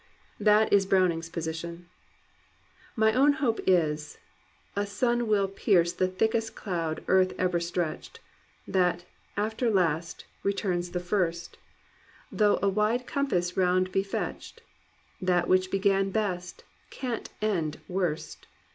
That is Browning's position: My own hope is, a sun will pierce The thickest cloud earth ever stretched; That, after Last, returns the First, Though a wide compass round be fetched; That what began best, can't end worst.